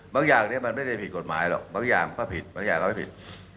อย่างนี้มันไม่ได้ผิดกฎหมายหรอกบางอย่างก็ผิดบางอย่างก็ไม่ผิด